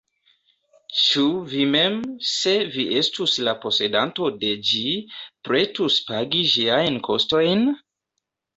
Ĉu vi mem, se vi estus la posedanto de ĝi, pretus pagi ĝiajn kostojn?